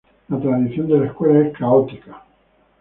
La tradición de la escuela es católica.